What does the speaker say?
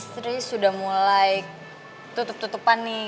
sri sudah mulai tutup tutupan nih